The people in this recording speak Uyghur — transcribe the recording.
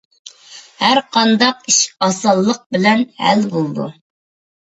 ھەر قانداق ئىش ئاسانلىق بىلەن ھەل بولىدۇ.